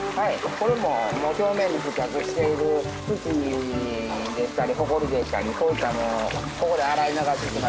これも表面に付着している土でしたりホコリでしたりそういったものをここで洗い流してしまいます。